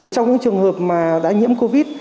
trong những trường hợp đã nhiễm covid một mươi chín